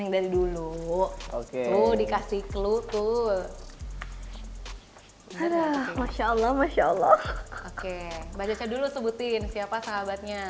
yang dari dulu oke dikasih clue tuh masya allah masya allah oke mbak caca dulu sebutin siapa sahabatnya